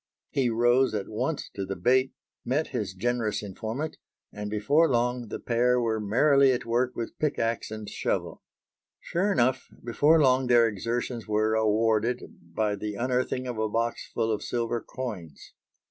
He rose at once to the bait, met his generous informant, and before long the pair were merrily at work with pickaxe and shovel. Sure enough before long their exertions were awarded by the unearthing of a box full of silver coins.